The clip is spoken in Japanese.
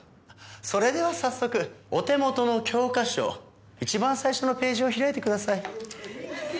それでは早速お手元の教科書一番最初のページを開いてください。